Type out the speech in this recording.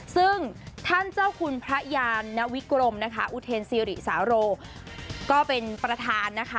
ซึ่งท่านเจ้าคุณพระยานวิกรมนะคะอุเทนซีริสาโรก็เป็นประธานนะคะ